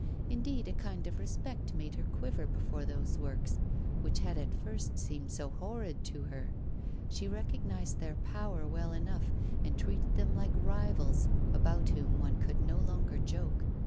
Indeed, a kind of respect made her quiver before those works which had at first seemed so horrid to her. She recognised their power well enough, and treated them like rivals about whom one could no longer joke.